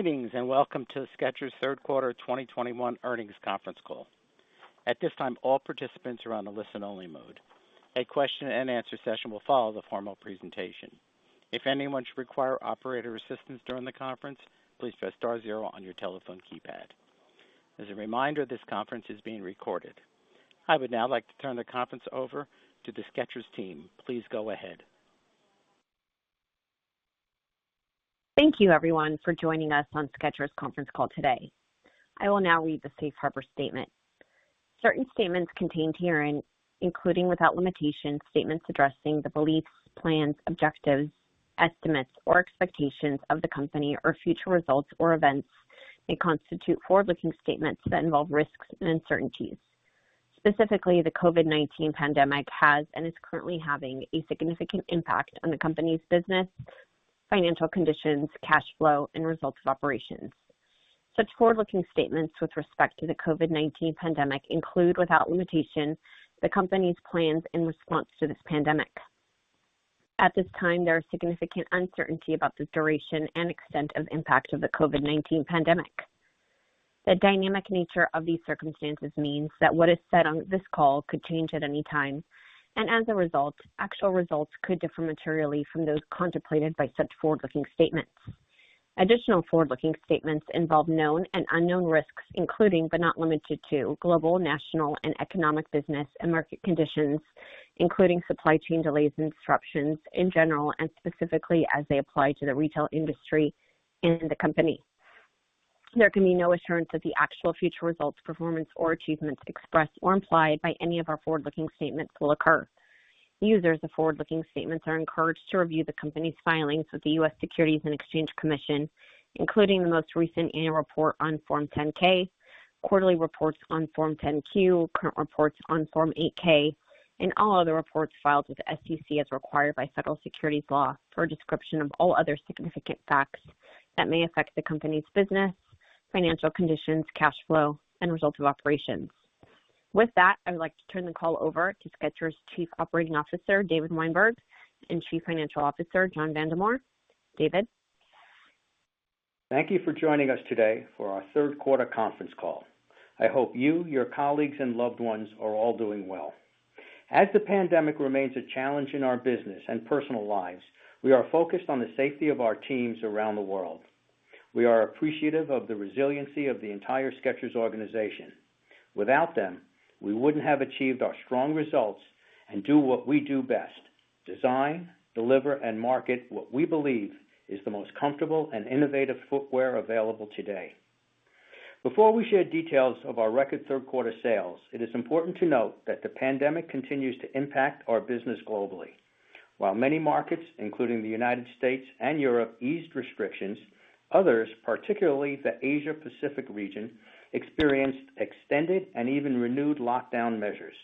Greetings, and welcome to the Skechers third quarter 2021 earnings conference call. At this time, all participants are on a listen-only mode. A question and answer session will follow the formal presentation. If anyone should require operator assistance during the conference, please press star zero on your telephone keypad. As a reminder, this conference is being recorded. I would now like to turn the conference over to the Skechers team. Please go ahead. Thank you everyone for joining us on Skechers conference call today. I will now read the Safe Harbor statement. Certain statements contained herein, including without limitation, statements addressing the beliefs, plans, objectives, estimates, or expectations of the company or future results or events, may constitute forward-looking statements that involve risks and uncertainties. Specifically, the COVID-19 pandemic has, and is currently having, a significant impact on the company's business, financial conditions, cash flow, and results of operations. Such forward-looking statements with respect to the COVID-19 pandemic include, without limitation, the company's plans in response to this pandemic. At this time, there are significant uncertainty about the duration and extent of impact of the COVID-19 pandemic. The dynamic nature of these circumstances means that what is said on this call could change at any time, and as a result, actual results could differ materially from those contemplated by such forward-looking statements. Additional forward-looking statements involve known and unknown risks, including, but not limited to global, national, and economic business and market conditions, including supply chain delays and disruptions in general and specifically as they apply to the retail industry and the company. There can be no assurance that the actual future results, performance or achievements expressed or implied by any of our forward-looking statements will occur. Users of forward-looking statements are encouraged to review the company's filings with the U.S. Securities and Exchange Commission, including the most recent annual report on Form 10-K, quarterly reports on Form 10-Q, current reports on Form 8-K, and all other reports filed with the SEC as required by federal securities law for a description of all other significant facts that may affect the company's business, financial conditions, cash flow, and results of operations. With that, I would like to turn the call over to Skechers Chief Operating Officer, David Weinberg, and Chief Financial Officer, John Vandemore. David. Thank you for joining us today for our third quarter conference call. I hope you, your colleagues, and loved ones are all doing well. As the pandemic remains a challenge in our business and personal lives, we are focused on the safety of our teams around the world. We are appreciative of the resiliency of the entire Skechers organization. Without them, we wouldn't have achieved our strong results and do what we do best, design, deliver, and market what we believe is the most comfortable and innovative footwear available today. Before we share details of our record third quarter sales, it is important to note that the pandemic continues to impact our business globally. While many markets, including the United States and Europe, eased restrictions, others, particularly the Asia-Pacific region, experienced extended and even renewed lockdown measures.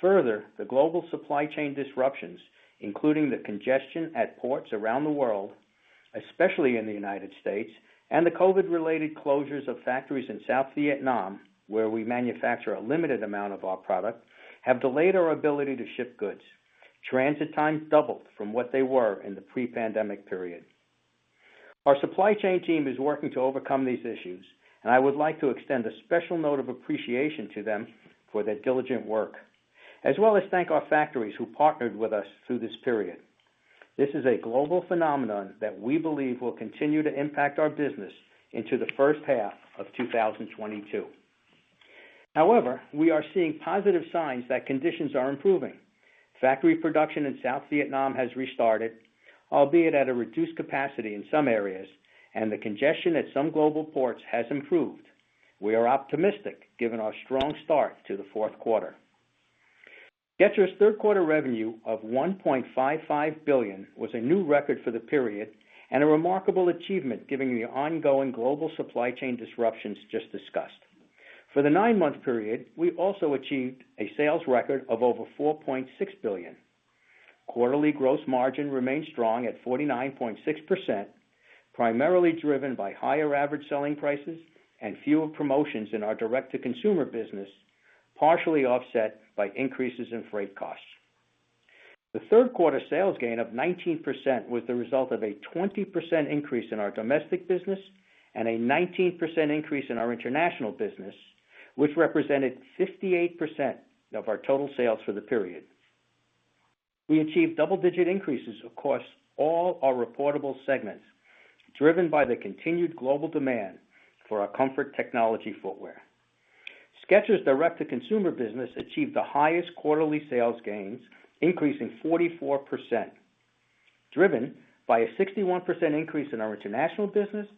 Further, the global supply chain disruptions, including the congestion at ports around the world, especially in the United States, and the COVID-related closures of factories in South Vietnam, where we manufacture a limited amount of our product, have delayed our ability to ship goods. Transit times doubled from what they were in the pre-pandemic period. Our supply chain team is working to overcome these issues, and I would like to extend a special note of appreciation to them for their diligent work, as well as thank our factories who partnered with us through this period. This is a global phenomenon that we believe will continue to impact our business into the first half of 2022. However, we are seeing positive signs that conditions are improving. Factory production in South Vietnam has restarted, albeit at a reduced capacity in some areas, and the congestion at some global ports has improved. We are optimistic, given our strong start to the fourth quarter. Skechers third quarter revenue of $1.55 billion was a new record for the period and a remarkable achievement given the ongoing global supply chain disruptions just discussed. For the nine-month period, we also achieved a sales record of over $4.6 billion. Quarterly gross margin remained strong at 49.6%, primarily driven by higher average selling prices and fewer promotions in our direct-to-consumer business, partially offset by increases in freight costs. The third quarter sales gain of 19% was the result of a 20% increase in our domestic business and a 19% increase in our international business, which represented 58% of our total sales for the period. We achieved double-digit increases across all our reportable segments, driven by the continued global demand for our comfort technology footwear. Skechers direct-to-consumer business achieved the highest quarterly sales gains, increasing 44%, driven by a 61% increase in our international business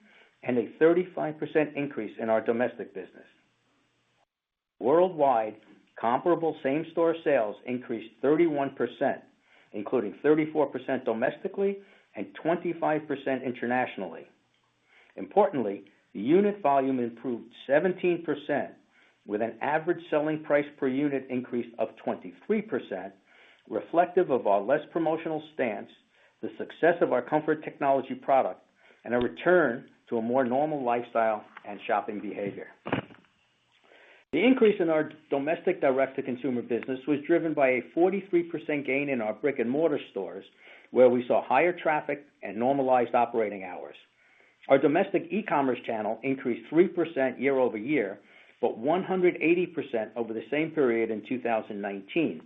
and a 35% increase in our domestic business. Worldwide, comparable same-store sales increased 31%, including 34% domestically and 25% internationally. Importantly, the unit volume improved 17% with an average selling price per unit increase of 23%, reflective of our less promotional stance, the success of our comfort technology product, and a return to a more normal lifestyle and shopping behavior. The increase in our domestic direct-to-consumer business was driven by a 43% gain in our brick-and-mortar stores, where we saw higher traffic and normalized operating hours. Our domestic e-commerce channel increased 3% year-over-year, but 180% over the same period in 2019.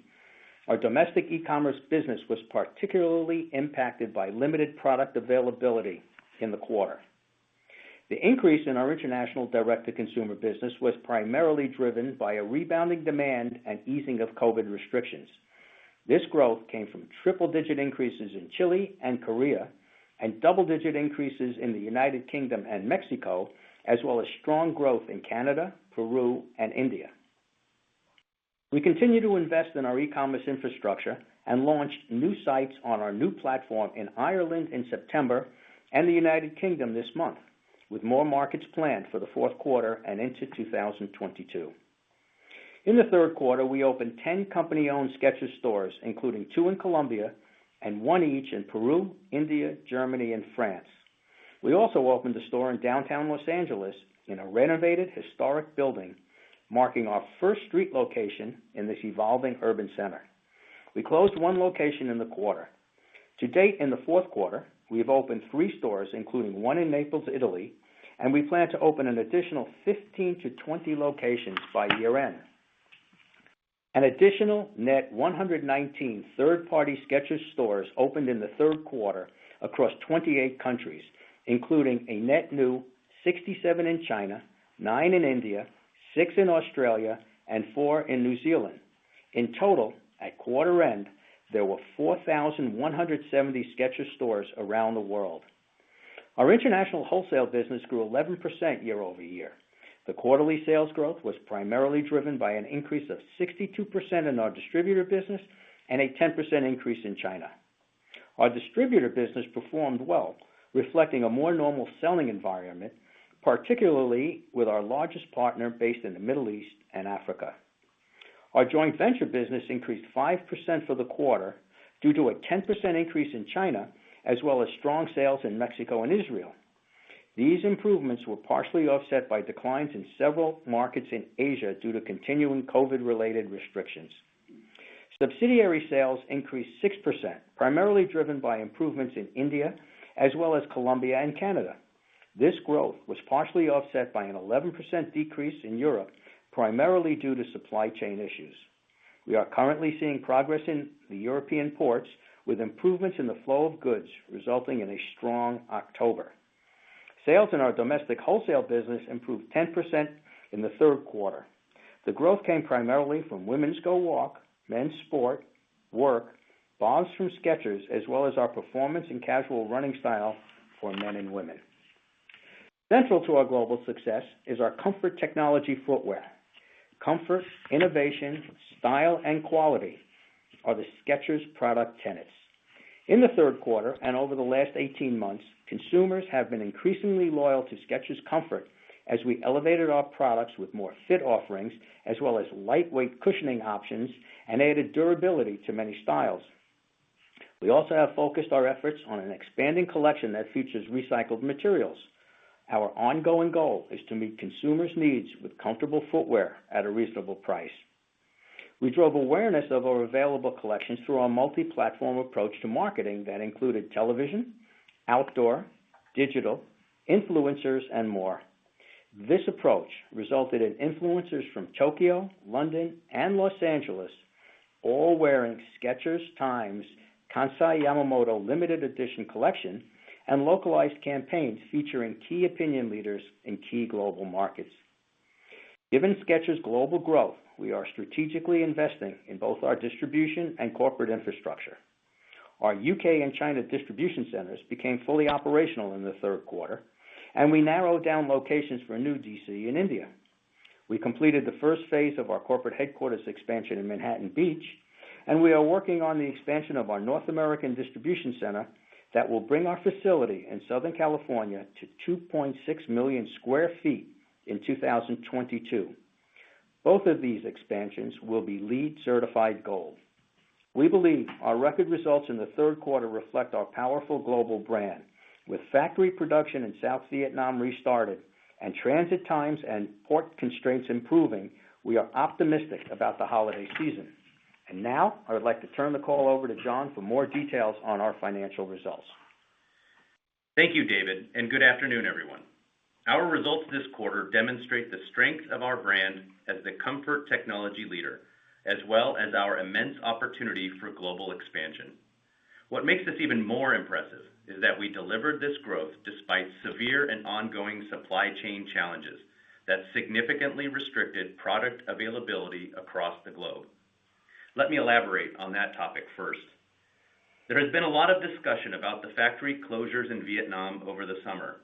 Our domestic e-commerce business was particularly impacted by limited product availability in the quarter. The increase in our international direct-to-consumer business was primarily driven by a rebounding demand and easing of COVID restrictions. This growth came from triple-digit increases in Chile and Korea, and double-digit increases in the United Kingdom and Mexico, as well as strong growth in Canada, Peru, and India. We continue to invest in our e-commerce infrastructure and launched new sites on our new platform in Ireland in September and the United Kingdom this month, with more markets planned for the fourth quarter and into 2022. In the third quarter, we opened 10 company-owned Skechers stores, including two in Colombia and one each in Peru, India, Germany, and France. We also opened a store in downtown Los Angeles in a renovated historic building, marking our first street location in this evolving urban center. We closed one location in the quarter. To date, in the fourth quarter, we have opened three stores, including one in Naples, Italy, and we plan to open an additional 15-20 locations by year-end. An additional net 119 third-party Skechers stores opened in the third quarter across 28 countries, including a net new 67 in China, nine in India, six in Australia, and four in New Zealand. In total, at quarter end, there were 4,170 Skechers stores around the world. Our international wholesale business grew 11% year-over-year. The quarterly sales growth was primarily driven by an increase of 62% in our distributor business and a 10% increase in China. Our distributor business performed well, reflecting a more normal selling environment, particularly with our largest partner based in the Middle East and Africa. Our joint venture business increased 5% for the quarter due to a 10% increase in China, as well as strong sales in Mexico and Israel. These improvements were partially offset by declines in several markets in Asia due to continuing COVID-related restrictions. Subsidiary sales increased 6%, primarily driven by improvements in India, as well as Colombia and Canada. This growth was partially offset by an 11% decrease in Europe, primarily due to supply chain issues. We are currently seeing progress in the European ports with improvements in the flow of goods, resulting in a strong October. Sales in our domestic wholesale business improved 10% in the third quarter. The growth came primarily from Women's Go Walk, Men's Sport, Work, Bobs from Skechers, as well as our performance and casual running style for men and women. Central to our global success is our comfort technology footwear. Comfort, innovation, style, and quality are the Skechers product tenets. In the third quarter, and over the last 18 months, consumers have been increasingly loyal to Skechers Comfort as we elevated our products with more fit offerings as well as lightweight cushioning options and added durability to many styles. We also have focused our efforts on an expanding collection that features recycled materials. Our ongoing goal is to meet consumers' needs with comfortable footwear at a reasonable price. We drove awareness of our available collections through our multi-platform approach to marketing that included television, outdoor, digital, influencers, and more. This approach resulted in influencers from Tokyo, London, and Los Angeles all wearing Skechers x Kansai Yamamoto limited edition collection and localized campaigns featuring key opinion leaders in key global markets. Given Skechers' global growth, we are strategically investing in both our distribution and corporate infrastructure. Our U.K. and China distribution centers became fully operational in the third quarter, and we narrowed down locations for a new D.C. in India. We completed the first phase of our corporate headquarters expansion in Manhattan Beach, and we are working on the expansion of our North American distribution center that will bring our facility in Southern California to 2.6 million sq ft in 2022. Both of these expansions will be LEED Certified Gold. We believe our record results in the third quarter reflect our powerful global brand. With factory production in South Vietnam restarted and transit times and port constraints improving, we are optimistic about the holiday season. Now, I would like to turn the call over to John for more details on our financial results. Thank you, David, and good afternoon, everyone. Our results this quarter demonstrate the strength of our brand as the comfort technology leader, as well as our immense opportunity for global expansion. What makes this even more impressive is that we delivered this growth despite severe and ongoing supply chain challenges that significantly restricted product availability across the globe. Let me elaborate on that topic first. There has been a lot of discussion about the factory closures in Vietnam over the summer.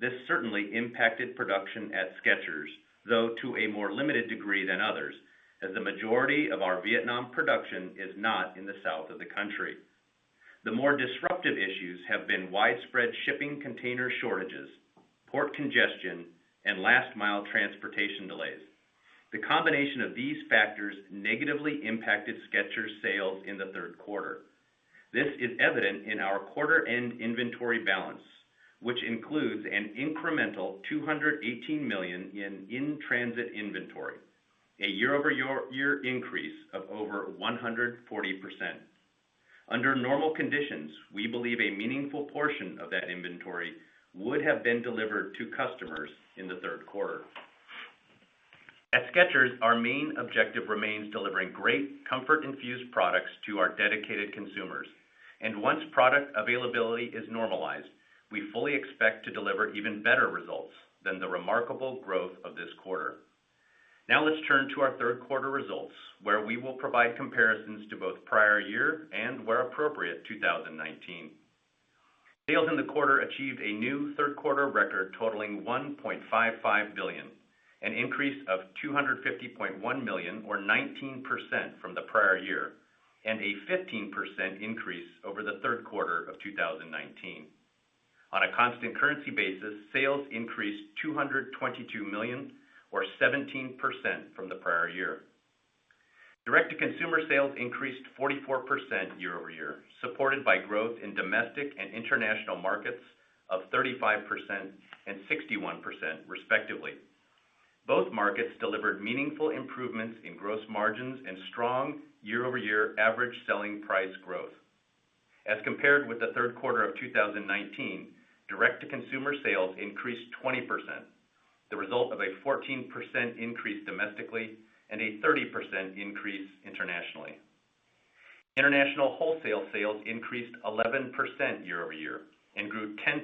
This certainly impacted production at Skechers, though to a more limited degree than others, as the majority of our Vietnam production is not in the south of the country. The more disruptive issues have been widespread shipping container shortages, port congestion, and last mile transportation delays. The combination of these factors negatively impacted Skechers sales in the third quarter. This is evident in our quarter end inventory balance, which includes an incremental $218 million in-transit inventory, a year-over-year increase of over 140%. Under normal conditions, we believe a meaningful portion of that inventory would have been delivered to customers in the third quarter. At Skechers, our main objective remains delivering great comfort-infused products to our dedicated consumers. Once product availability is normalized, we fully expect to deliver even better results than the remarkable growth of this quarter. Now let's turn to our third quarter results, where we will provide comparisons to both prior year and, where appropriate, 2019. Sales in the quarter achieved a new third quarter record totaling $1.55 billion, an increase of $250.1 million or 19% from the prior year, and a 15% increase over the third quarter of 2019. On a constant currency basis, sales increased $222 million or 17% from the prior year. Direct-to-consumer sales increased 44% year-over-year, supported by growth in domestic and international markets of 35% and 61% respectively. Both markets delivered meaningful improvements in gross margins and strong year-over-year average selling price growth. As compared with the third quarter of 2019, direct-to-consumer sales increased 20%, the result of a 14% increase domestically and a 30% increase internationally. International wholesale sales increased 11% year-over-year and grew 10%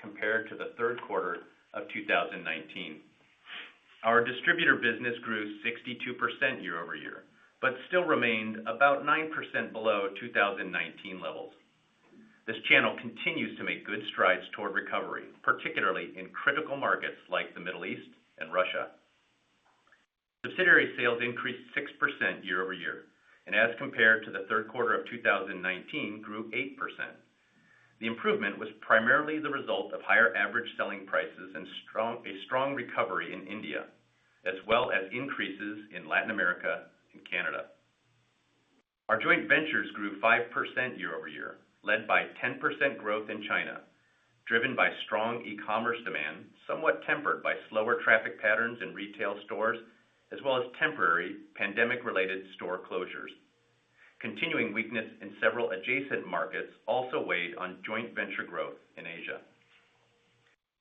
compared to the third quarter of 2019. Our distributor business grew 62% year-over-year, but still remained about 9% below 2019 levels. This channel continues to make good strides toward recovery, particularly in critical markets like the Middle East and Russia. Subsidiary sales increased 6% year-over-year, and as compared to the third quarter of 2019, grew 8%. The improvement was primarily the result of higher average selling prices and a strong recovery in India, as well as increases in Latin America and Canada. Our joint ventures grew 5% year-over-year, led by 10% growth in China, driven by strong e-commerce demand, somewhat tempered by slower traffic patterns in retail stores, as well as temporary pandemic-related store closures. Continuing weakness in several adjacent markets also weighed on joint venture growth in Asia.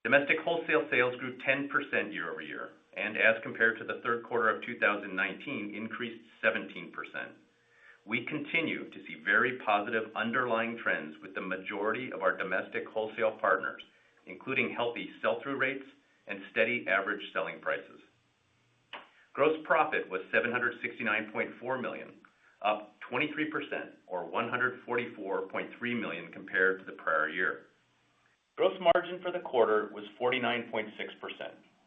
Domestic wholesale sales grew 10% year-over-year, and as compared to the third quarter of 2019, increased 17%. We continue to see very positive underlying trends with the majority of our domestic wholesale partners, including healthy sell-through rates and steady average selling prices. Gross profit was $769.4 million, up 23% or $144.3 million compared to the prior year. Gross margin for the quarter was 49.6%,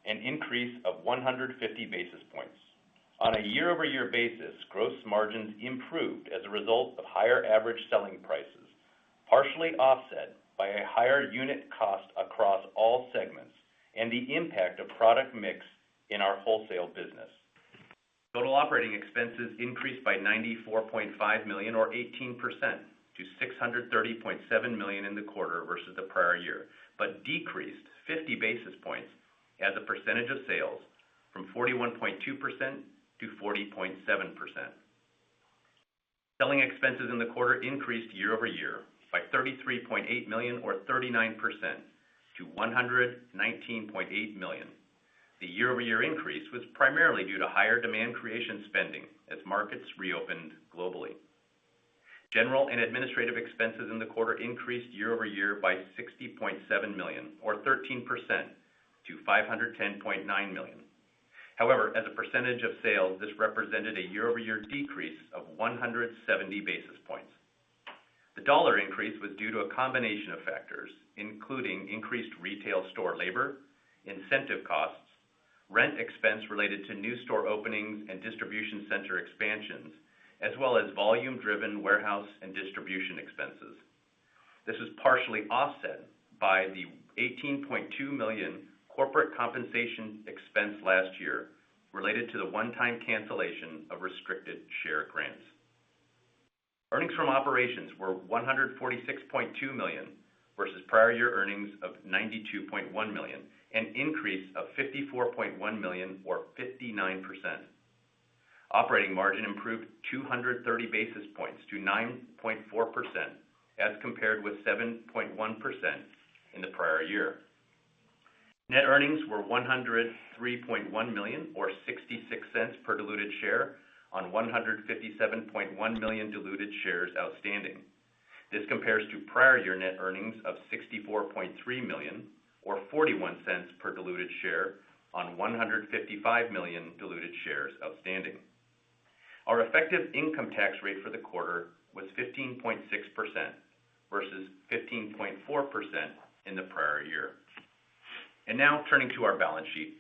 an increase of 150 basis points. On a year-over-year basis, gross margins improved as a result of higher average selling prices, partially offset by a higher unit cost across all segments and the impact of product mix in our wholesale business. Total operating expenses increased by $94.5 million or 18% to $630.7 million in the quarter versus the prior year, but decreased 50 basis points as a percentage of sales from 41.2% -40.7%. Selling expenses in the quarter increased year-over-year by $33.8 million or 39% to $119.8 million. The year-over-year increase was primarily due to higher demand creation spending as markets reopened globally. General and administrative expenses in the quarter increased year-over-year by $60.7 million or 13% to $510.9 million. However, as a percentage of sales, this represented a year-over-year decrease of 170 basis points. The dollar increase was due to a combination of factors, including increased retail store labor, incentive costs, rent expense related to new store openings and distribution center expansions, as well as volume-driven warehouse and distribution expenses. This was partially offset by the $18.2 million corporate compensation expense last year related to the one-time cancellation of restricted share grants. Earnings from operations were $146.2 million, versus prior year earnings of $92.1 million, an increase of $54.1 million or 59%. Operating margin improved 230 basis points to 9.4% as compared with 7.1% in the prior year. Net earnings were $103.1 million or $0.66 per diluted share on 157.1 million diluted shares outstanding. This compares to prior year net earnings of $64.3 million or $0.41 per diluted share on 155 million diluted shares outstanding. Our effective income tax rate for the quarter was 15.6% versus 15.4% in the prior year. Now turning to our balance sheet.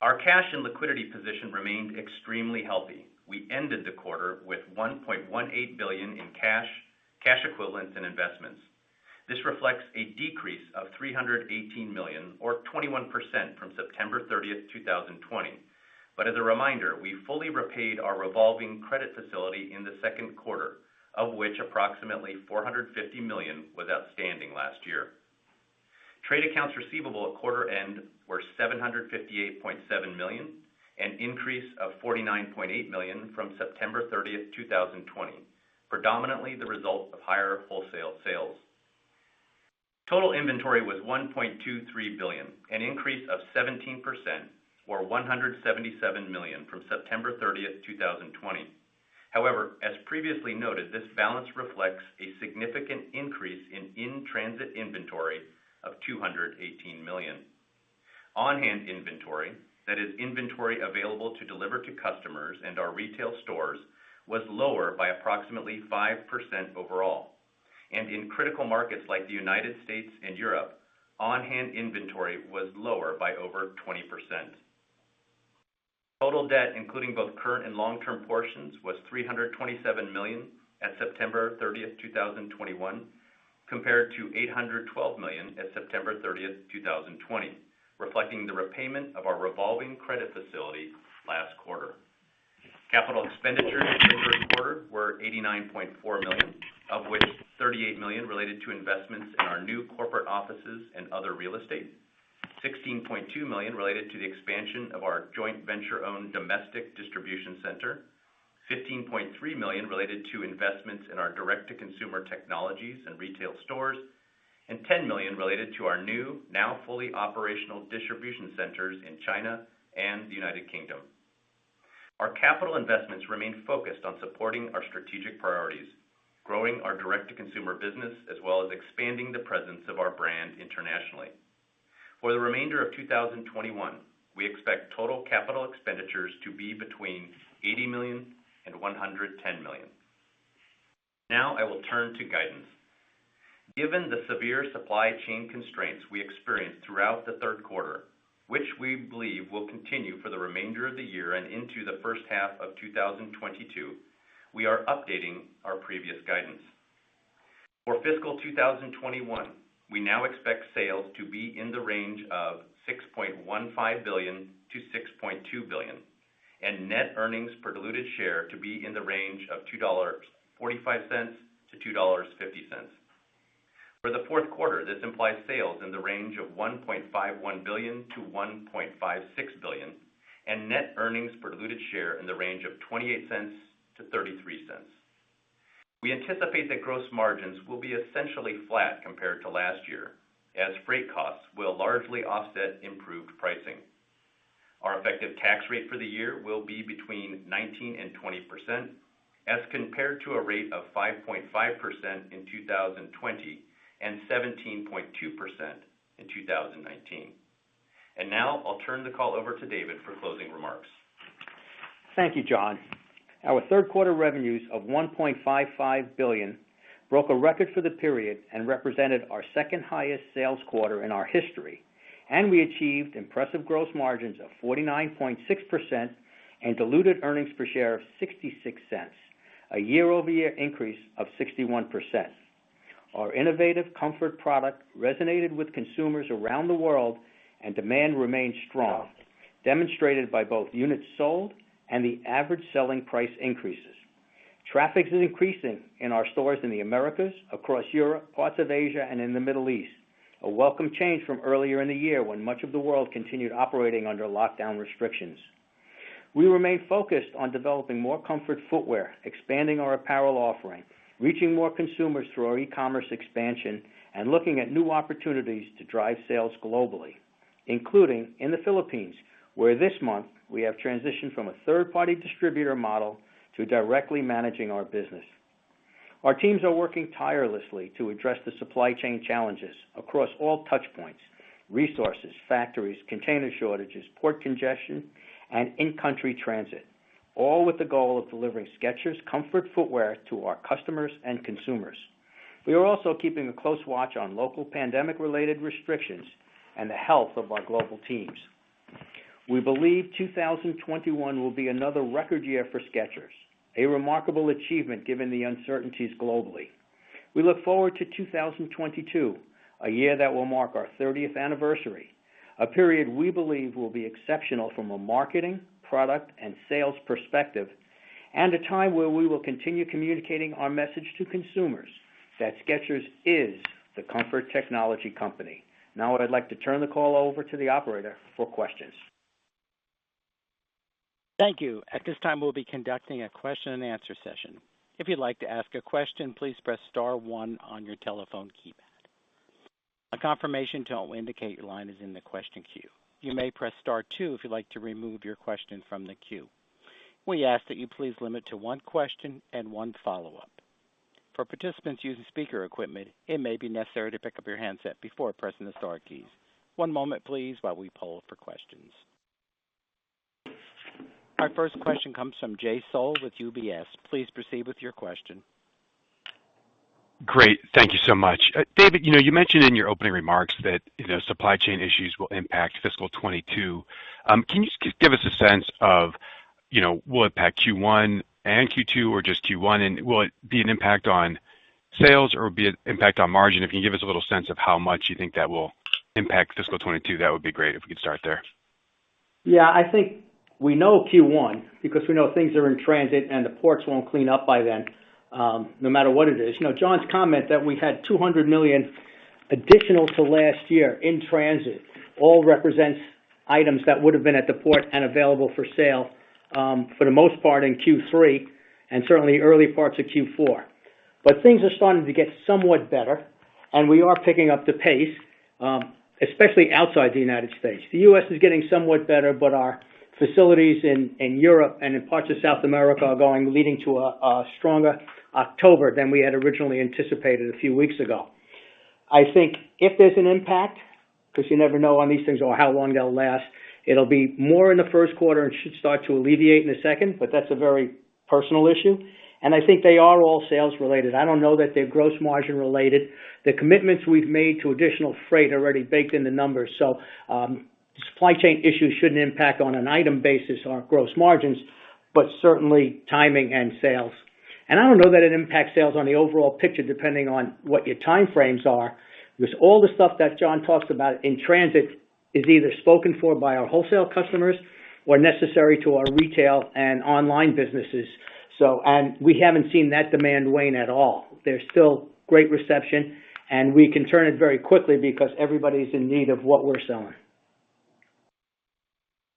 Our cash and liquidity position remained extremely healthy. We ended the quarter with $1.18 billion in cash equivalents, and investments. This reflects a decrease of $318 million or 21% from September 30, 2020. As a reminder, we fully repaid our revolving credit facility in the second quarter, of which approximately $450 million was outstanding last year. Trade accounts receivable at quarter end were $758.7 million, an increase of $49.8 million from September 30, 2020, predominantly the result of higher wholesale sales. Total inventory was $1.23 billion, an increase of 17% or $177 million from September 30, 2020. However, as previously noted, this balance reflects a significant increase in in-transit inventory of $218 million. On-hand inventory, that is inventory available to deliver to customers and our retail stores, was lower by approximately 5% overall. In critical markets like the United States and Europe, on-hand inventory was lower by over 20%. Total debt, including both current and long-term portions, was $327 million at September 30, 2021, compared to $812 million at September 30, 2020, reflecting the repayment of our revolving credit facility last quarter. Capital expenditures for the quarter were $89.4 million, of which $38 million related to investments in our new corporate offices and other real estate, $16.2 million related to the expansion of our joint venture-owned domestic distribution center, $15.3 million related to investments in our direct-to-consumer technologies and retail stores, and $10 million related to our new, now fully operational distribution centers in China and the United Kingdom. Our capital investments remain focused on supporting our strategic priorities, growing our direct-to-consumer business, as well as expanding the presence of our brand internationally. For the remainder of 2021, we expect total capital expenditures to be between $80 million and $110 million. Now I will turn to guidance. Given the severe supply chain constraints we experienced throughout the third quarter, which we believe will continue for the remainder of the year and into the first half of 2022, we are updating our previous guidance. For fiscal 2021, we now expect sales to be in the range of $6.15 billion-$6.2 billion, and net earnings per diluted share to be in the range of $2.45-$2.50. For the fourth quarter, this implies sales in the range of $1.51 billion-$1.56 billion, and net earnings per diluted share in the range of $0.28-$0.33. We anticipate that gross margins will be essentially flat compared to last year, as freight costs will largely offset improved pricing. Our effective tax rate for the year will be between 19% and 20% as compared to a rate of 5.5% in 2020 and 17.2% in 2019. Now I'll turn the call over to David for closing remarks. Thank you, John. Our third quarter revenues of $1.55 billion broke a record for the period and represented our second highest sales quarter in our history. We achieved impressive gross margins of 49.6% and diluted earnings per share of $0.66, a year-over-year increase of 61%. Our innovative comfort product resonated with consumers around the world, and demand remains strong, demonstrated by both units sold and the average selling price increases. Traffic is increasing in our stores in the Americas, across Europe, parts of Asia, and in the Middle East, a welcome change from earlier in the year when much of the world continued operating under lockdown restrictions. We remain focused on developing more comfort footwear, expanding our apparel offering, reaching more consumers through our e-commerce expansion, and looking at new opportunities to drive sales globally, including in the Philippines, where this month we have transitioned from 1/3 party distributor model to directly managing our business. Our teams are working tirelessly to address the supply chain challenges across all touch points, resources, factories, container shortages, port congestion, and in-country transit, all with the goal of delivering Skechers comfort footwear to our customers and consumers. We are also keeping a close watch on local pandemic related restrictions and the health of our global teams. We believe 2021 will be another record year for Skechers, a remarkable achievement given the uncertainties globally. We look forward to 2022, a year that will mark our 30th anniversary, a period we believe will be exceptional from a marketing, product and sales perspective, and a time where we will continue communicating our message to consumers that Skechers is the comfort technology company. Now, I'd like to turn the call over to the operator for questions. Thank you. At this time, we'll be conducting a question and answer session. If you'd like to ask a question, please press star one on your telephone keypad. A confirmation tone will indicate your line is in the question queue. You may press star two if you'd like to remove your question from the queue. We ask that you please limit to one question and one follow-up. For participants using speaker equipment, it may be necessary to pick up your handset before pressing the star keys. One moment, please, while we poll for questions. Our first question comes from Jay Sole with UBS. Please proceed with your question. Great. Thank you so much. David, you know, you mentioned in your opening remarks that, you know, supply chain issues will impact fiscal 2022. Can you just give us a sense of. You know, will it impact Q1 and Q2 or just Q1? Will it be an impact on sales or be an impact on margin? If you give us a little sense of how much you think that will impact fiscal 2022, that would be great if we could start there. Yeah. I think we know Q1 because we know things are in transit and the ports won't clean up by then, no matter what it is. You know, John's comment that we've had $200 million additional to last year in transit all represents items that would have been at the port and available for sale, for the most part in Q3 and certainly early parts of Q4. Things are starting to get somewhat better, and we are picking up the pace, especially outside the United States. The U.S. is getting somewhat better, but our facilities in Europe and in parts of South America are leading to a stronger October than we had originally anticipated a few weeks ago. I think if there's an impact, because you never know on these things or how long they'll last, it'll be more in the first quarter and should start to alleviate in the second. That's a very personal issue. I think they are all sales related. I don't know that they're gross margin related. The commitments we've made to additional freight are already baked in the numbers. Supply chain issues shouldn't impact on an item basis on our gross margins, but certainly timing and sales. I don't know that it impacts sales on the overall picture, depending on what your time frames are, because all the stuff that John talked about in transit is either spoken for by our wholesale customers or necessary to our retail and online businesses. We haven't seen that demand wane at all. There's still great reception, and we can turn it very quickly because everybody's in need of what we're selling.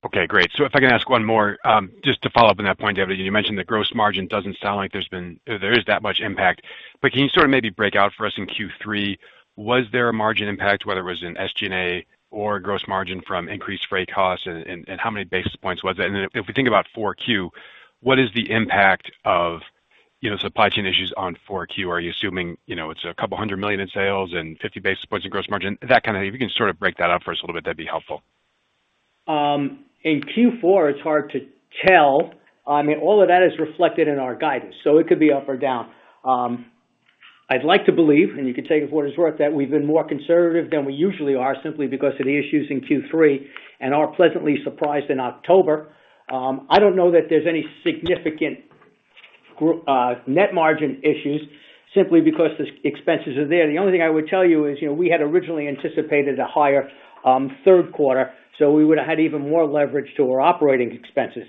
Okay, great. If I can ask one more, just to follow up on that point, David, you mentioned the gross margin doesn't sound like there is that much impact. But can you sort of maybe break out for us in Q3, was there a margin impact, whether it was in SG&A or gross margin from increased freight costs and how many basis points was it? And if we think about 4Q, what is the impact of, you know, supply chain issues on 4Q? Are you assuming, you know, it's a couple 100 million in sales and 50 basis points in gross margin? That kind of thing. If you can sort of break that up for us a little bit, that'd be helpful. In Q4, it's hard to tell. I mean, all of that is reflected in our guidance, so it could be up or down. I'd like to believe, and you can take it for what it's worth, that we've been more conservative than we usually are simply because of the issues in Q3 and are pleasantly surprised in October. I don't know that there's any significant net margin issues simply because the expenses are there. The only thing I would tell you is, you know, we had originally anticipated a higher third quarter, so we would've had even more leverage to our operating expenses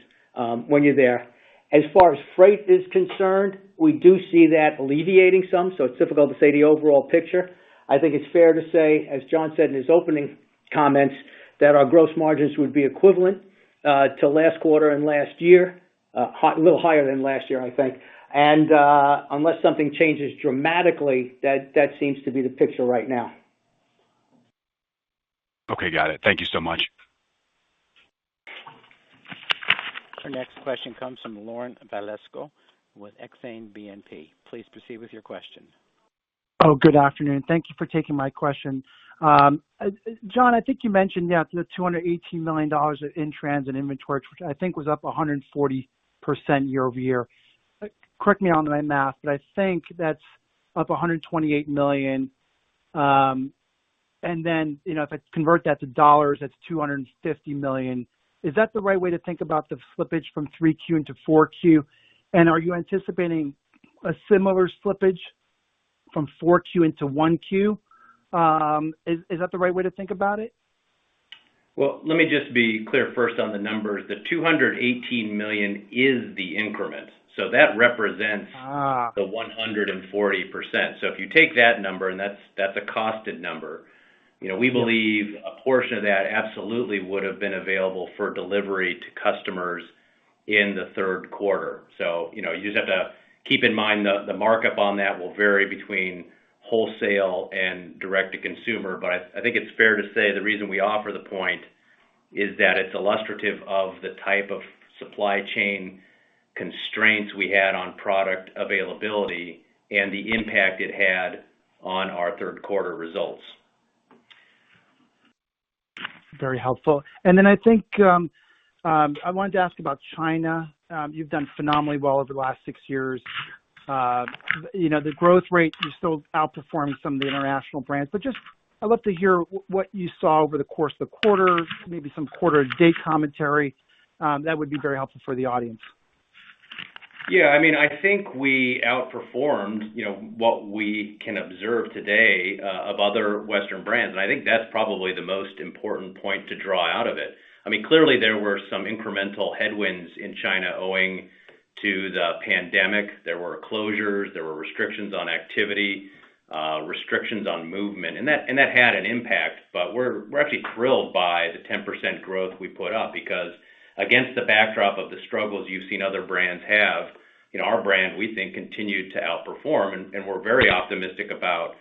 when you're there. As far as freight is concerned, we do see that alleviating some, so it's difficult to say the overall picture. I think it's fair to say, as John said in his opening comments, that our gross margins would be equivalent to last quarter and last year, a little higher than last year, I think. Unless something changes dramatically, that seems to be the picture right now. Okay. Got it. Thank you so much. Our next question comes from Laurent Vasilescu with Exane BNP. Please proceed with your question. Good afternoon. Thank you for taking my question. John, I think you mentioned, yeah, the $218 million in transit inventory, which I think was up 140% year-over-year. Correct me on my math, but I think that's up $128 million. And then, you know, if I convert that to dollars, that's $250 million. Is that the right way to think about the slippage from Q3 into Q4? And are you anticipating a similar slippage from Q4 into Q1? Is that the right way to think about it? Well, let me just be clear first on the numbers. The $218 million is the increment, so that represents. Ah. The 140%. So if you take that number, and that's a costed number. You know, we believe a portion of that absolutely would have been available for delivery to customers in the third quarter. You know, you just have to keep in mind the markup on that will vary between wholesale and direct-to-consumer. But I think it's fair to say the reason we offer the point is that it's illustrative of the type of supply chain constraints we had on product availability and the impact it had on our third quarter results. Very helpful. I think I wanted to ask about China. You've done phenomenally well over the last six years. You know, the growth rate, you're still outperforming some of the international brands. Just I'd love to hear what you saw over the course of the quarter, maybe some quarter-to-date commentary, that would be very helpful for the audience. Yeah, I mean, I think we outperformed, you know, what we can observe today of other Western brands. I think that's probably the most important point to draw out of it. I mean, clearly there were some incremental headwinds in China owing to the pandemic. There were closures. There were restrictions on activity, restrictions on movement. That had an impact. We're actually thrilled by the 10% growth we put up, because against the backdrop of the struggles you've seen other brands have, you know, our brand, we think, continued to outperform, and we're very optimistic about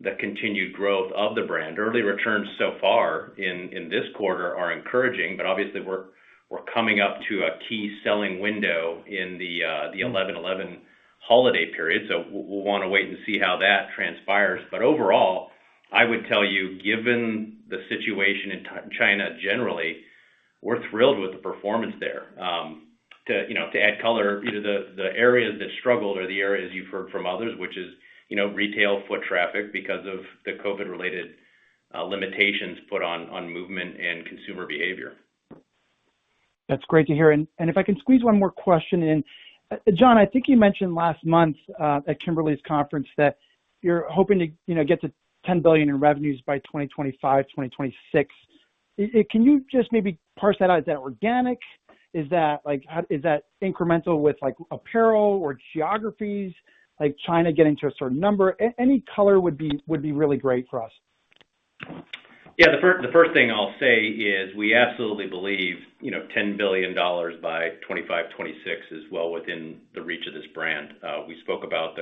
the continued growth of the brand. Early returns so far in this quarter are encouraging, but obviously we're coming up to a key selling window in the 11.11 holiday period. We'll wanna wait and see how that transpires. Overall, I would tell you, given the situation in China generally, we're thrilled with the performance there. To add color, you know, the areas that struggled are the areas you've heard from others, which is, you know, retail foot traffic because of the COVID related limitations put on movement and consumer behavior. That's great to hear. If I can squeeze one more question in. John, I think you mentioned last month at Kimberly's conference that you're hoping to, you know, get to $10 billion in revenues by 2025-2026. Can you just maybe parse that out? Is that organic? Is that incremental with like apparel or geographies, like China getting to a certain number? Any color would be really great for us. Yeah. The first thing I'll say is we absolutely believe, you know, $10 billion by 2025, 2026 is well within the reach of this brand. We spoke about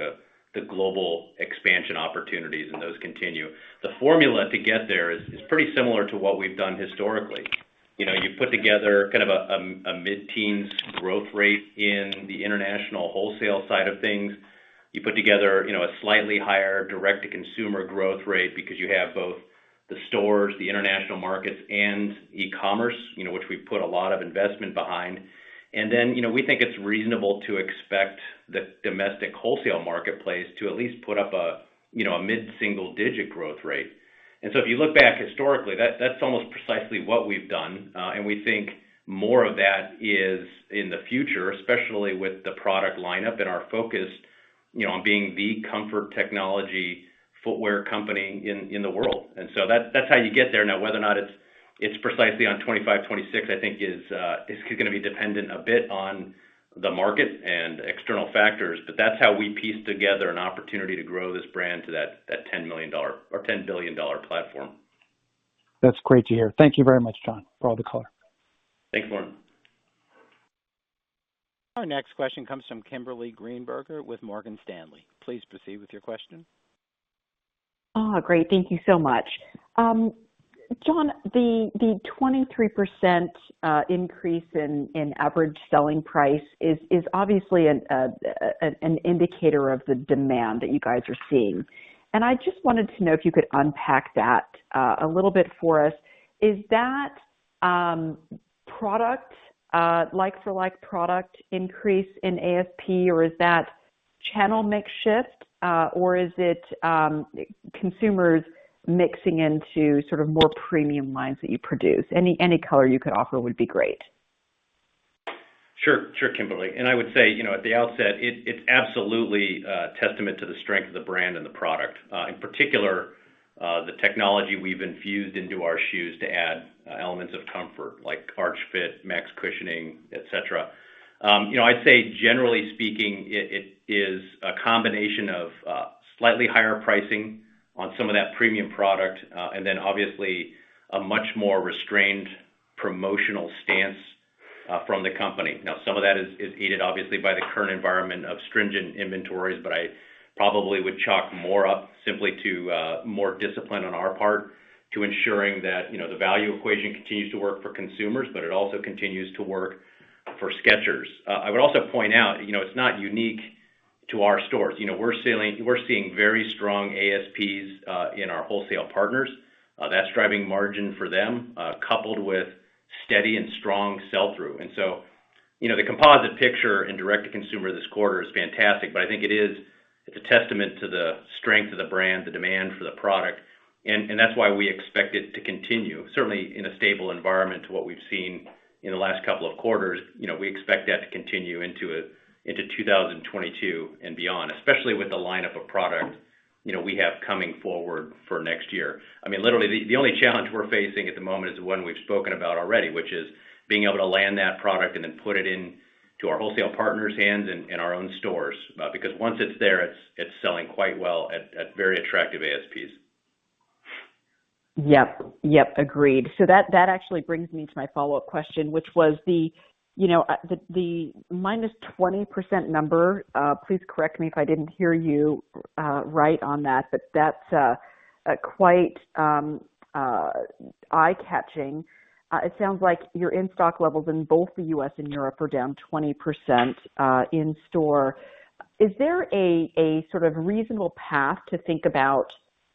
the global expansion opportunities, and those continue. The formula to get there is pretty similar to what we've done historically. You know, you put together kind of a mid-teens% growth rate in the international wholesale side of things. You put together, you know, a slightly higher direct-to-consumer growth rate because you have both the stores, the international markets, and e-commerce, you know, which we put a lot of investment behind. You know, we think it's reasonable to expect the domestic wholesale marketplace to at least put up a, you know, mid-single-digit% growth rate. If you look back historically, that's almost precisely what we've done. We think more of that is in the future, especially with the product lineup and our focus, you know, on being the comfort technology footwear company in the world. That's how you get there. Now, whether or not it's precisely on 2025, 2026, I think is gonna be dependent a bit on the market and external factors. That's how we piece together an opportunity to grow this brand to that $10 million or $10 billion platform. That's great to hear. Thank you very much, John, for all the color. Thanks, Laurent. Our next question comes from Kimberly Greenberger with Morgan Stanley. Please proceed with your question. Oh, great. Thank you so much. John, the 23% increase in average selling price is obviously an indicator of the demand that you guys are seeing. I just wanted to know if you could unpack that a little bit for us. Is that product like for like product increase in ASP, or is that channel mix shift, or is it consumers mixing into sort of more premium lines that you produce? Any color you could offer would be great. Sure, Kimberly. I would say, you know, at the outset it's absolutely testament to the strength of the brand and the product. In particular, the technology we've infused into our shoes to add elements of comfort like arch fit, max cushioning, et cetera. You know, I'd say generally speaking, it is a combination of slightly higher pricing on some of that premium product, and then obviously a much more restrained promotional stance from the company. Now some of that is aided obviously by the current environment of stringent inventories, but I probably would chalk more up simply to more discipline on our part to ensuring that, you know, the value equation continues to work for consumers, but it also continues to work for Skechers. I would also point out, you know, it's not unique to our stores. You know, we're seeing very strong ASPs in our wholesale partners. That's driving margin for them, coupled with steady and strong sell-through. You know, the composite picture in direct-to-consumer this quarter is fantastic, but I think it is. It's a testament to the strength of the brand, the demand for the product, and that's why we expect it to continue. Certainly in a stable environment to what we've seen in the last couple of quarters. You know, we expect that to continue into 2022 and beyond, especially with the lineup of product, you know, we have coming forward for next year. I mean, literally, the only challenge we're facing at the moment is the one we've spoken about already, which is being able to land that product and then put it into our wholesale partners' hands and our own stores. Because once it's there, it's selling quite well at very attractive ASPs. Yep. Yep. Agreed. That actually brings me to my follow-up question, which was the, you know, the -20% number. Please correct me if I didn't hear you right on that, but that's quite eye-catching. It sounds like your in-stock levels in both the U.S. and Europe are down 20% in store. Is there a sort of reasonable path to think about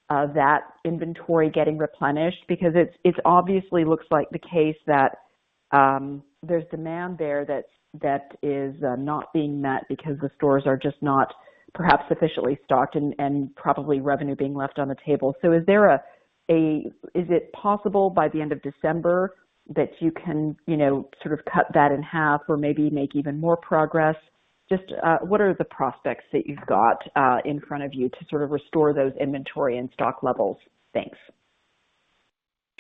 that inventory getting replenished? Because it obviously looks like the case that there's demand there that is not being met because the stores are just not perhaps sufficiently stocked and probably revenue being left on the table. Is it possible by the end of December that you can, you know, sort of cut that in half or maybe make even more progress? Just, what are the prospects that you've got in front of you to sort of restore those inventory and stock levels? Thanks.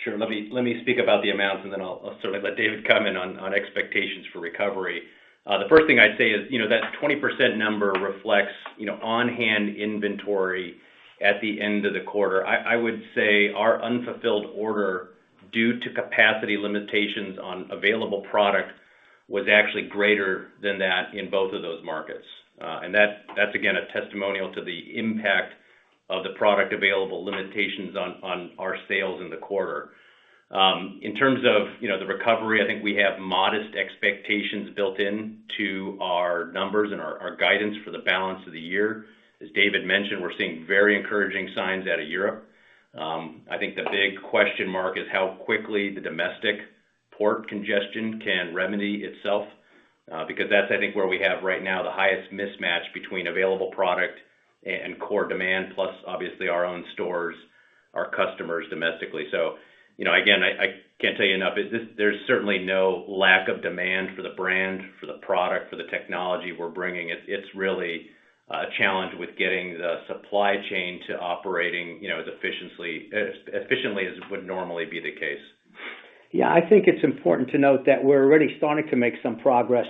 Sure. Let me speak about the amounts, and then I'll sort of let David comment on expectations for recovery. The first thing I'd say is, you know, that 20% number reflects, you know, on-hand inventory at the end of the quarter. I would say our unfulfilled order due to capacity limitations on available product was actually greater than that in both of those markets. And that's again, a testimonial to the impact of the product available limitations on our sales in the quarter. In terms of, you know, the recovery, I think we have modest expectations built into our numbers and our guidance for the balance of the year. As David mentioned, we're seeing very encouraging signs out of Europe. I think the big question mark is how quickly the domestic port congestion can remedy itself, because that's, I think, where we have right now the highest mismatch between available product and core demand, plus obviously our own stores, our customers domestically. You know, again, I can't tell you enough. There's certainly no lack of demand for the brand, for the product, for the technology we're bringing. It's really a challenge with getting the supply chain to operating, you know, as efficiently as it would normally be the case. Yeah. I think it's important to note that we're already starting to make some progress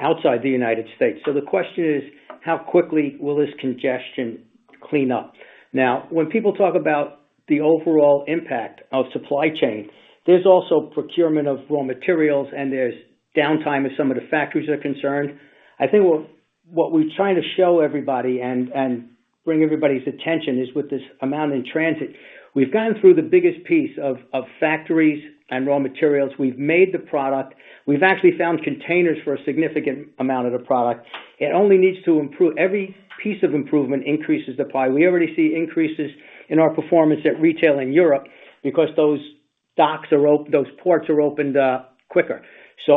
outside the United States. The question is, how quickly will this congestion clean up? Now, when people talk about the overall impact of supply chain, there's also procurement of raw materials, and there's downtime as some of the factories are concerned. I think what we're trying to show everybody and bring everybody's attention is with this amount in transit. We've gone through the biggest piece of factories and raw materials. We've made the product. We've actually found containers for a significant amount of the product. It only needs to improve. Every piece of improvement increases the pie. We already see increases in our performance at retail in Europe because those ports are opened up quicker.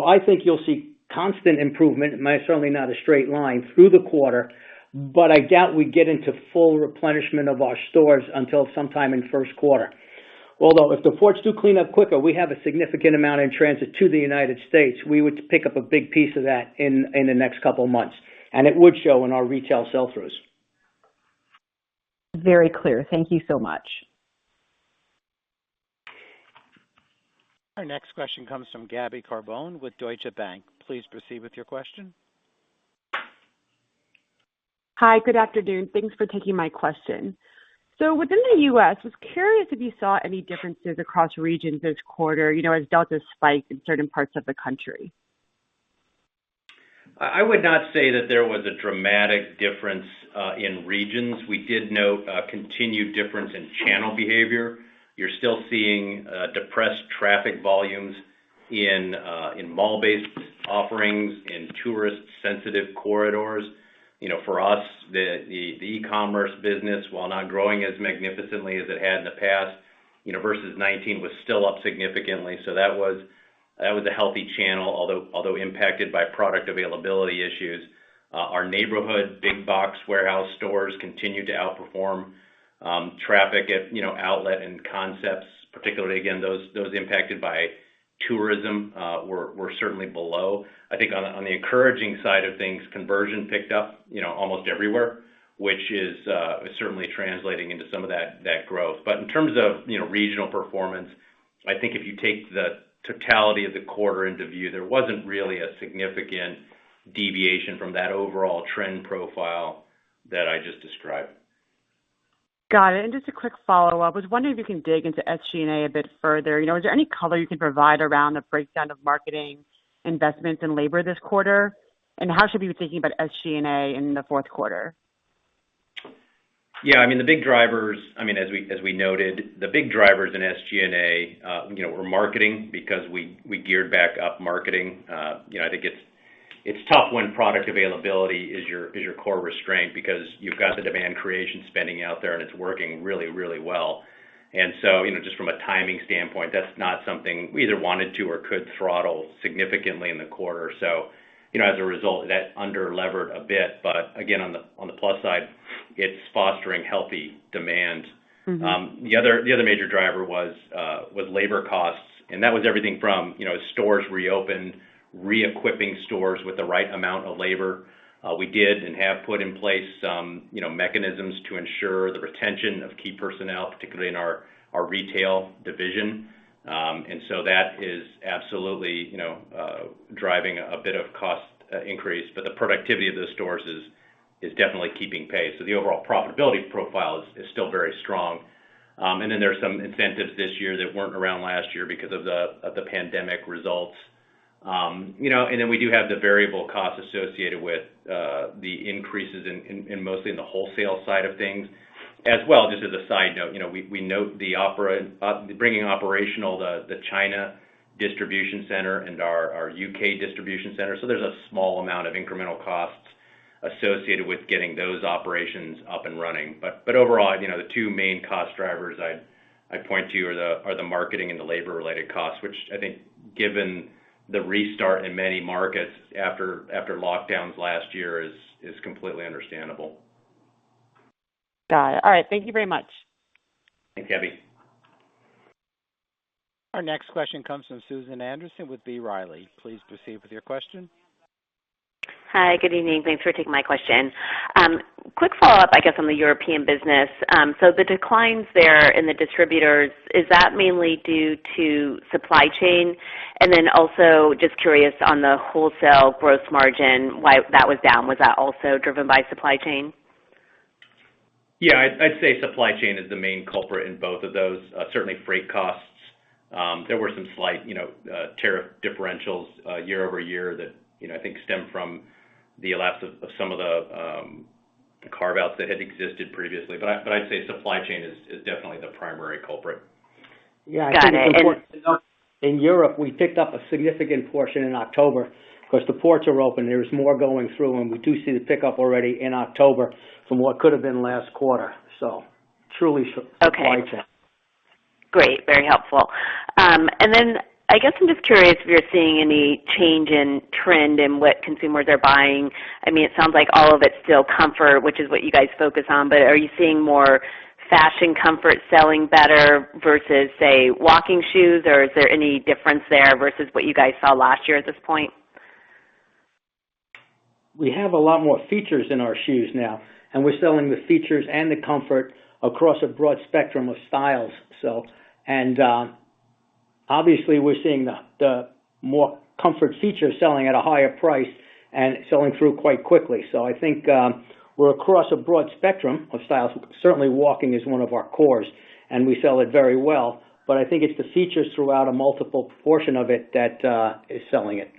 I think you'll see constant improvement, certainly not a straight line through the quarter, but I doubt we get into full replenishment of our stores until sometime in first quarter. Although if the ports do clean up quicker, we have a significant amount in transit to the U.S. We would pick up a big piece of that in the next couple of months, and it would show in our retail sell-throughs. Very clear. Thank you so much. Our next question comes from Gabriella Carbone with Deutsche Bank. Please proceed with your question. Hi, good afternoon. Thanks for taking my question. Within the U.S., I was curious if you saw any differences across regions this quarter, you know, as Delta spiked in certain parts of the country? I would not say that there was a dramatic difference in regions. We did note a continued difference in channel behavior. You're still seeing depressed traffic volumes in mall-based offerings, in tourist-sensitive corridors. You know, for us, the e-commerce business, while not growing as magnificently as it had in the past, you know, versus 2019, was still up significantly. That was a healthy channel, although impacted by product availability issues. Our neighborhood big box warehouse stores continued to outperform traffic at outlet and concepts. Particularly, again, those impacted by tourism were certainly below. I think on the encouraging side of things, conversion picked up, you know, almost everywhere, which is certainly translating into some of that growth. in terms of, you know, regional performance, I think if you take the totality of the quarter into view, there wasn't really a significant deviation from that overall trend profile that I just described. Got it. Just a quick follow-up. I was wondering if you can dig into SG&A a bit further. You know, is there any color you can provide around the breakdown of marketing investments in labor this quarter? How should we be thinking about SG&A in the fourth quarter? Yeah, I mean, as we noted, the big drivers in SG&A, you know, were marketing because we geared back up marketing. You know, I think it's tough when product availability is your core restraint because you've got the demand creation spending out there, and it's working really, really well. You know, just from a timing standpoint, that's not something we either wanted to or could throttle significantly in the quarter. You know, as a result, that under-levered a bit. Again, on the plus side, it's fostering healthy demand. Mm-hmm. The other major driver was labor costs, and that was everything from, you know, as stores reopened, reequipping stores with the right amount of labor. We did and have put in place some, you know, mechanisms to ensure the retention of key personnel, particularly in our retail division. That is absolutely, you know, driving a bit of cost increase, but the productivity of those stores is definitely keeping pace. The overall profitability profile is still very strong. There's some incentives this year that weren't around last year because of the pandemic results. You know, we do have the variable costs associated with the increases in mostly in the wholesale side of things. As well, just as a side note, you know, we note bringing operational the China distribution center and our U.K. distribution center. There's a small amount of incremental costs associated with getting those operations up and running. Overall, you know, the two main cost drivers I'd point to are the marketing and the labor-related costs, which I think given the restart in many markets after lockdowns last year is completely understandable. Got it. All right. Thank you very much. Thanks, Gabby. Our next question comes from Susan Anderson with B. Riley. Please proceed with your question. Hi. Good evening. Thanks for taking my question. Quick follow-up, I guess, on the European business. The declines there in the distributors, is that mainly due to supply chain? Also just curious on the wholesale gross margin, why that was down. Was that also driven by supply chain? Yeah. I'd say supply chain is the main culprit in both of those. Certainly freight costs. There were some slight, you know, tariff differentials year over year that, you know, I think stemmed from the lapse of some of the carve-outs that had existed previously. But I'd say supply chain is definitely the primary culprit. Yeah. Got it. In Europe, we picked up a significant portion in October because the ports are open. There is more going through, and we do see the pickup already in October from what could have been last quarter, so truly so. Okay. Wide sell. Great, very helpful. I guess I'm just curious if you're seeing any change in trend in what consumers are buying. I mean, it sounds like all of it's still comfort, which is what you guys focus on. But are you seeing more fashion comfort selling better versus, say, walking shoes? Or is there any difference there versus what you guys saw last year at this point? We have a lot more features in our shoes now, and we're selling the features and the comfort across a broad spectrum of styles. Obviously, we're seeing the more comfort features selling at a higher price and selling through quite quickly. I think we're across a broad spectrum of styles. Certainly, walking is one of our cores, and we sell it very well. I think it's the features throughout a multiple portion of it that is selling it.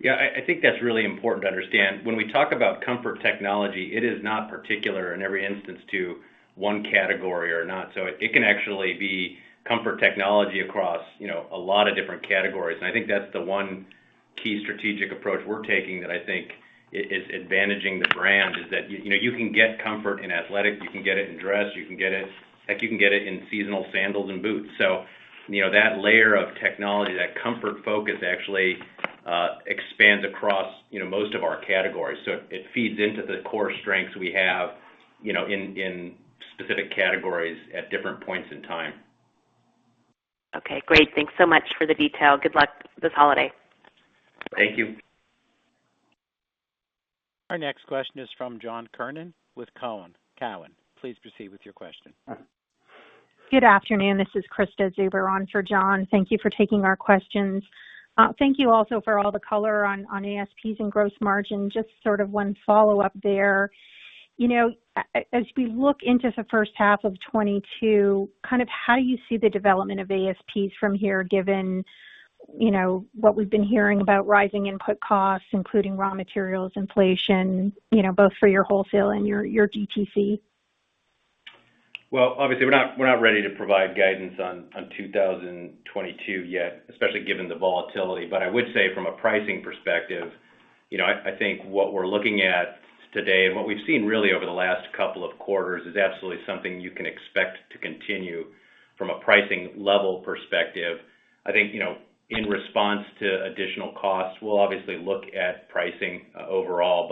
Yeah. I think that's really important to understand. When we talk about comfort technology, it is not particular in every instance to one category or not. It can actually be comfort technology across, you know, a lot of different categories. I think that's the one key strategic approach we're taking that I think is advantaging the brand, is that, you know, you can get comfort in athletic, you can get it in dress, you can get it. Heck, you can get it in seasonal sandals and boots. You know, that layer of technology, that comfort focus actually expands across, you know, most of our categories. It feeds into the core strengths we have, you know, in specific categories at different points in time. Okay, great. Thanks so much for the detail. Good luck this holiday. Thank you. Our next question is from John Kernan with Cowen. Please proceed with your question. Good afternoon. This is Krista Zuber on for John. Thank you for taking our questions. Thank you also for all the color on ASPs and gross margin. Just sort of one follow-up there. You know, as we look into the first half of 2022, kind of how you see the development of ASPs from here, given, you know, what we've been hearing about rising input costs, including raw materials, inflation, you know, both for your wholesale and your DTC. Well, obviously, we're not ready to provide guidance on 2022 yet, especially given the volatility. I would say from a pricing perspective, you know, I think what we're looking at today and what we've seen really over the last couple of quarters is absolutely something you can expect to continue from a pricing level perspective. I think, you know, in response to additional costs, we'll obviously look at pricing overall.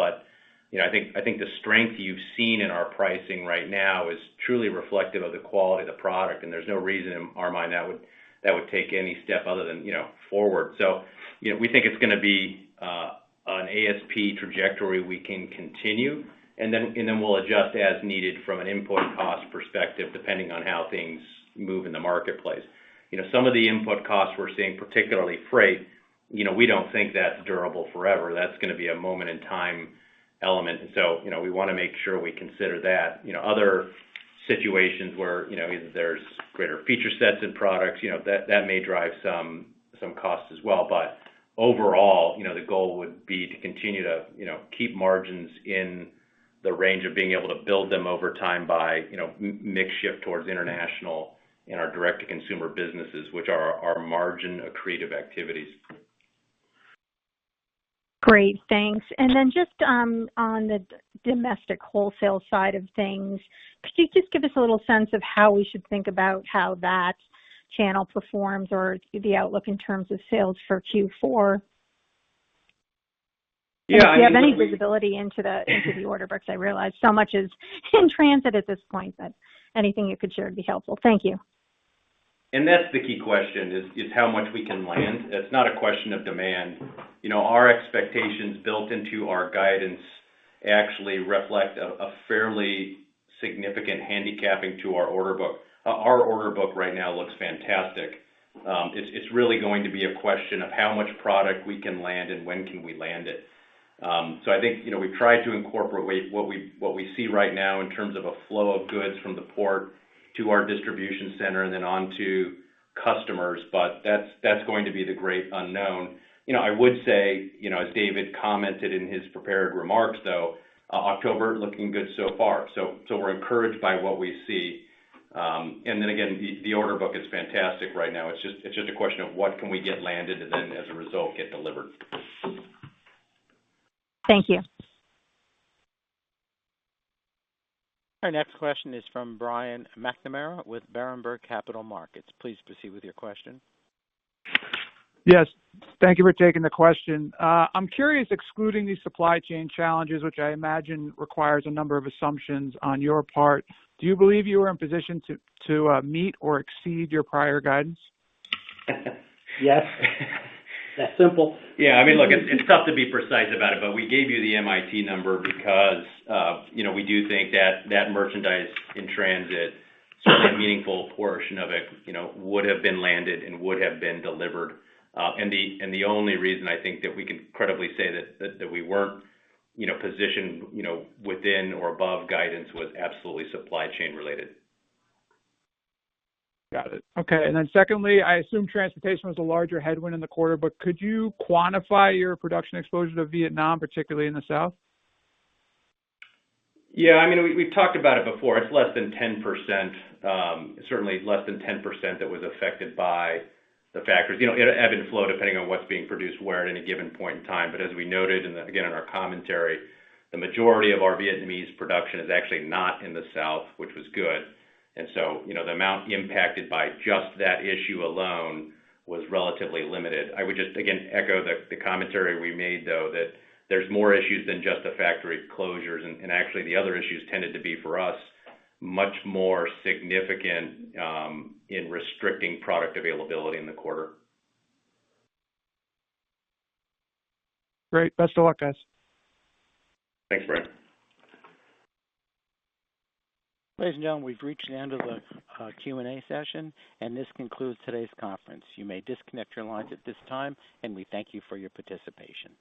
You know, I think the strength you've seen in our pricing right now is truly reflective of the quality of the product, and there's no reason in our mind that would take any step other than, you know, forward. You know, we think it's gonna be an ASP trajectory we can continue, and then we'll adjust as needed from an input cost perspective, depending on how things move in the marketplace. You know, some of the input costs we're seeing, particularly freight, you know, we don't think that's durable forever. That's gonna be a moment in time element. You know, we wanna make sure we consider that. You know, other situations where, you know, either there's greater feature sets in products, you know, that may drive some costs as well. Overall, you know, the goal would be to continue to, you know, keep margins in the range of being able to build them over time by, you know, mix shift towards international in our direct-to-consumer businesses, which are our margin accretive activities. Great, thanks. Just, on the domestic wholesale side of things, could you just give us a little sense of how we should think about how that channel performs or the outlook in terms of sales for Q4? Yeah, I mean. If you have any visibility into the order books. I realize so much is in transit at this point, but anything you could share would be helpful. Thank you. That's the key question is how much we can land. It's not a question of demand. You know, our expectations built into our guidance actually reflect a fairly significant handicapping to our order book. Our order book right now looks fantastic. It's really going to be a question of how much product we can land and when can we land it. I think, you know, we've tried to incorporate what we see right now in terms of a flow of goods from the port to our distribution center and then on to customers. That's going to be the great unknown. You know, I would say, you know, as David commented in his prepared remarks, though, October looking good so far. We're encouraged by what we see. The order book is fantastic right now. It's just a question of what can we get landed and then as a result, get delivered. Thank you. Our next question is from Brian McNamara with Berenberg Capital Markets. Please proceed with your question. Yes. Thank you for taking the question. I'm curious, excluding these supply chain challenges, which I imagine requires a number of assumptions on your part, do you believe you are in position to meet or exceed your prior guidance? Yes. That simple. Yeah. I mean, look, it's tough to be precise about it, but we gave you the MIT number because, you know, we do think that merchandise in transit, certainly a meaningful portion of it, you know, would have been landed and would have been delivered. The only reason I think that we can credibly say that we weren't, you know, positioned, you know, within or above guidance was absolutely supply chain related. Got it. Okay. Secondly, I assume transportation was a larger headwind in the quarter, but could you quantify your production exposure to Vietnam, particularly in the South? Yeah, I mean, we've talked about it before. It's less than 10%. Certainly less than 10% that was affected by the factors. You know, it ebb and flow depending on what's being produced where at any given point in time. As we noted, and again in our commentary, the majority of our Vietnamese production is actually not in the South, which was good. You know, the amount impacted by just that issue alone was relatively limited. I would just, again, echo the commentary we made, though, that there's more issues than just the factory closures. Actually, the other issues tended to be, for us, much more significant, in restricting product availability in the quarter. Great. Best of luck, guys. Thanks, Brian. Ladies and gentlemen, we've reached the end of the Q&A session, and this concludes today's conference. You may disconnect your lines at this time, and we thank you for your participation.